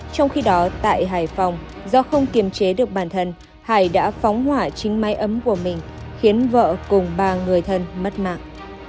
trong khi đó tại hải phòng do không kiềm chế được bản thân hải đã phóng hỏa chính mái ấm của mình khiến vợ cùng ba người thân mất mạng